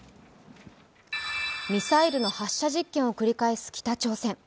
ミサイルの発射実験を繰り返す北朝鮮。